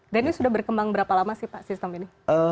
dan ini sudah berkembang berapa lama sih pak sistem ini